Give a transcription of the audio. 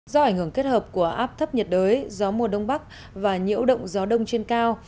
do ảnh hưởng kết hợp của áp thấp nhiệt đới gió mùa đông bắc và nhiễu động gió đông trên cao